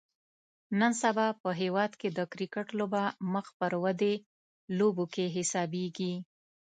نن سبا په هیواد کې د کرکټ لوبه مخ پر ودې لوبو کې حسابیږي